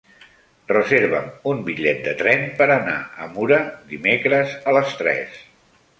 Reserva'm un bitllet de tren per anar a Mura dimecres a les tres.